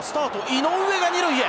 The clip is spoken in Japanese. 井上が２塁へ。